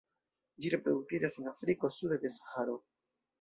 Ĝi reproduktiĝas en Afriko sude de Saharo.